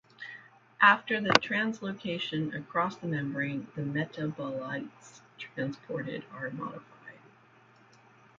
After the translocation across the membrane, the metabolites transported are modified.